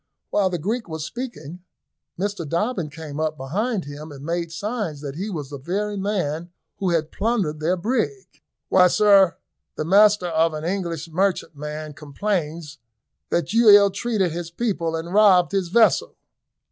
While the Greek was speaking, Mr Dobbin came up behind him, and made signs that he was the very man who had plundered their brig. "Why, sir, the master of an English merchantman complains that you ill treated his people and robbed his vessel."